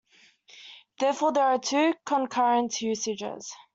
Therefore, there are two concurrent usages.